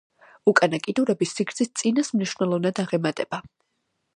უკანა კიდურები სიგრძით წინას მნიშვნელოვნად აღემატება.